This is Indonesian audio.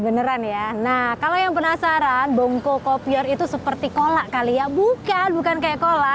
beneran ya nah kalau yang penasaran bongkokopior itu seperti kola kali ya bukan bukan kayak kola